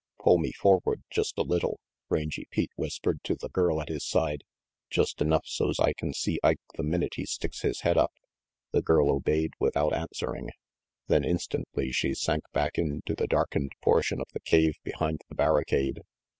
"Pull me forward, just a little," Rangy Pete whispered to the girl at his side, "just enough so's I can see Ike the minute he sticks his head up." The girl obeyed without answering. Then instantly she sank back into the darkened portion of the cave behind the barricade.